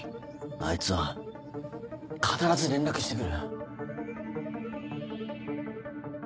あいつは必ず連絡してくる。